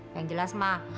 yang jelas mah